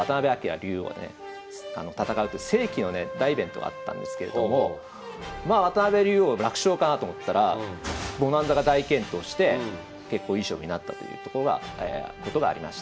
竜王ね戦うという世紀のね大イベントがあったんですけれどもまあ渡辺竜王楽勝かなと思ったらボナンザが大健闘して結構いい将棋になったということがありました。